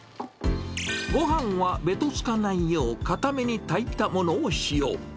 ごはんはべとつかないよう、硬めに炊いたものを使用。